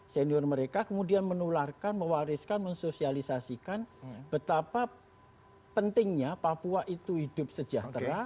senior mereka kemudian menularkan mewariskan mensosialisasikan betapa pentingnya papua itu hidup sejahtera